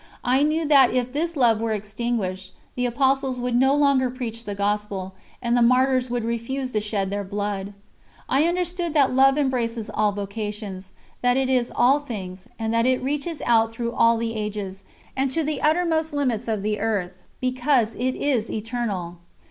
I knew that if this love were extinguished, the Apostles would no longer preach the Gospel, and the Martyrs would refuse to shed their blood. I understood that love embraces all vocations, that it is all things, and that it reaches out through all the ages, and to the uttermost limits of the earth, because it is eternal.